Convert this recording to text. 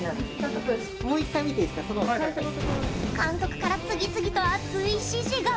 監督から次々と熱い指示が。